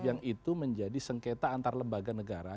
yang itu menjadi sengketa antar lembaga negara